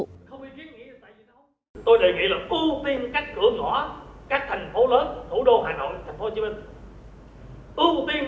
tôi đề nghị là phương tiện